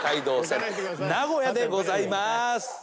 線名古屋でございます。